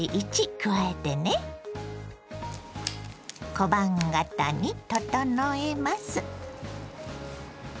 小判形に整えます。